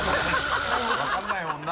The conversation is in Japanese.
分からないもんな。